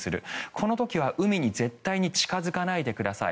この時は海に絶対に近付かないでください。